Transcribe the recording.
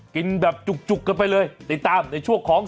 กินแบบจุกกันไปเลยติดตามในช่วงของ